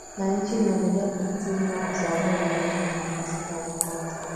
na nchi inaendelea kurudi nyuma kwa sababu walioko kwenye nafasi za uongozi